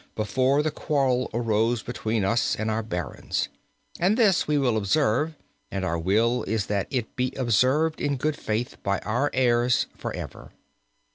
before the quarrel arose between us and our barons, and this we will observe, and our will is that it be observed in good faith by our heirs for ever.